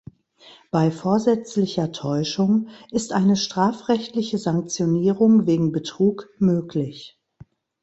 Bei vorsätzlicher Täuschung ist eine strafrechtliche Sanktionierung wegen Betrug möglich.